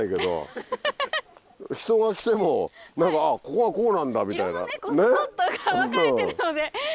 人が来てもここはこうなんだみたいな。